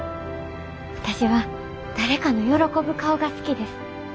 私は誰かの喜ぶ顔が好きです。